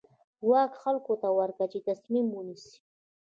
واک خلکو ته ورکوي چې تصمیم ونیسي.